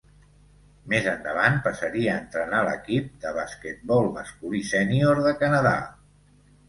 Més endavant passaria a entrenar l'equip de basquetbol masculí sènior de Canadà.